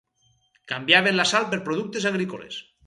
Canviaven la sal per productes agrícoles.